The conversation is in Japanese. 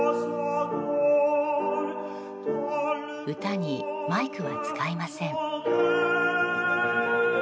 歌にマイクは使いません。